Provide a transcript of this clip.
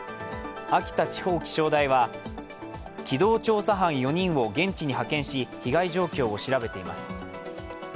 秋田地方気象台は、機動調査班４人を現地に派遣し、被害状況を調べています。